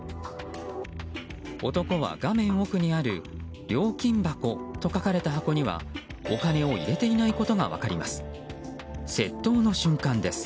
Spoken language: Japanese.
男は画面奥にある料金箱と書かれた箱にはお金を入れていないことが分かります。